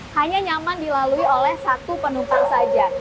hanya nyaman dilalui oleh satu penumpang saja